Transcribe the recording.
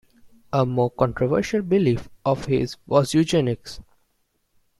A more controversial belief of his was eugenics.